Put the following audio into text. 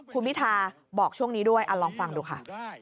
คุณพิทาบอกช่วงนี้ด้วยลองฟังดูค่ะ